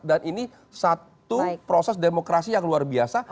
dan ini satu proses demokrasi yang luar biasa